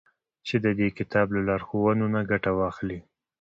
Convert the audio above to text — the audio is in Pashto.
چي د دې كتاب له لارښوونو نه گټه واخلي.